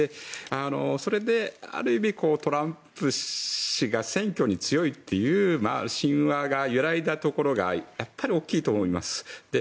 それである意味、トランプ氏が選挙に強いという神話が揺らいだところがやっぱり大きいと思います。